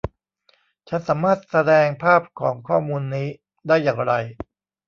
ฉันสามารถแสดงภาพของข้อมูลนี้ได้อย่างไร